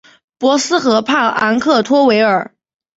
博斯河畔昂克托维尔。